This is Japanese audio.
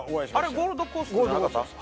ゴールドコーストです